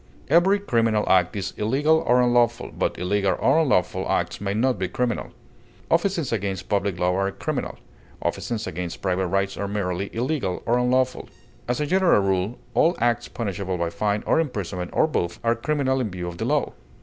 Every criminal act is illegal or unlawful, but illegal or unlawful acts may not be criminal. Offenses against public law are criminal; offenses against private rights are merely illegal or unlawful. As a general rule, all acts punishable by fine or imprisonment or both, are criminal in view of the law.